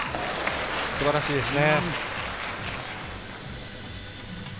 素晴らしいですね。